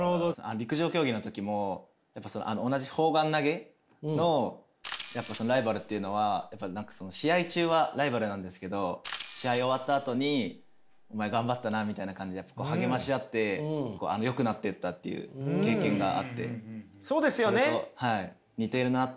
陸上競技の時も同じ砲丸投げのライバルっていうのは試合中はライバルなんですけど試合終わったあとにお前頑張ったなみたいな感じで励まし合ってよくなってったっていう経験があってそれと似てるなって。